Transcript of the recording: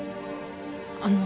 あの。